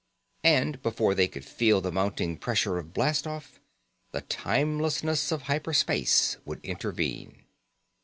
And, before they could feel the mounting pressure of blastoff, the timelessness of hyper space would intervene.